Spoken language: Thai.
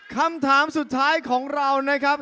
คำถามสุดท้ายของเรานะครับ